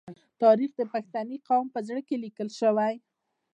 تاریخ د پښتني قام په زړه کې لیکل شوی.